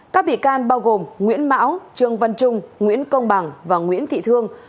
các bị can bao gồm nguyễn mão trương văn trung nguyễn công bằng và nguyễn thị thương